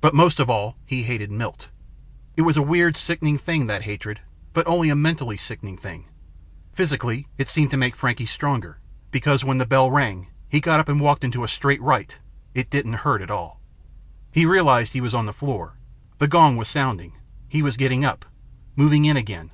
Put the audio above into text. But most of all, he hated Milt. It was a weird, sickening thing, that hatred. But only a mentally sickening thing. Physically, it seemed to make Frankie stronger, because when the bell rang and he got up and walked into a straight right, it didn't hurt at all. He realized he was on the floor; the gong was sounding; he was getting up, moving in again.